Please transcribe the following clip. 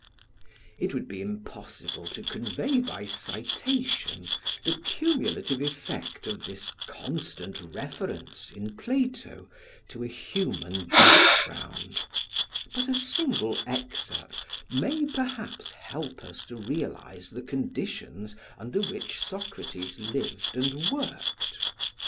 It would be impossible to convey by citation the cumulative effect of this constant reference in Plato to a human background; but a single excerpt may perhaps help us to realise the conditions under which Socrates lived and worked.